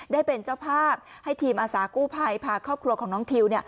ได้เป็นเจ้าภาพให้ทีมอาสากู้ภัยพาครอบครัวของน้องทิว